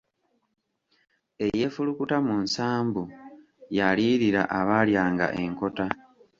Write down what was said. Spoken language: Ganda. Eyeefulukuta mu nsambu yaliyirira abaalyanga enkota.